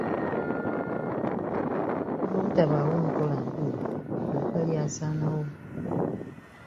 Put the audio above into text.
Olw'obutabaawo nkola ntuufu edduuka lyasaana wo.